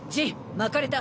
まかれた！